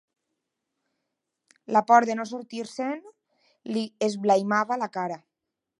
La por de no sortir-se'n li esblaimava la cara.